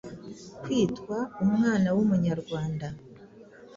Kwitwa umwana w’Umunyarwanda.